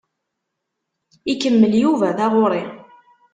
Ikemmel Yuba taɣuri.